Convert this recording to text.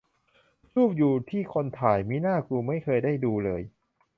รูปอยู่ที่คนถ่าย มิน่า กูไม่เคยได้ดูเลย